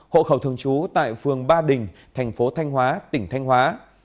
hộ khẩu thường trú tại phường ba đình tp thanh hóa tỉnh thanh hóa